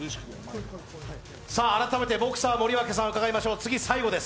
改めてボクサー・森脇さん、伺いましょう、最後です。